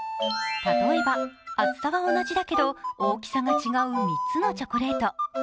例えば厚さは同じだけど大きさが違う３つのチョコレート。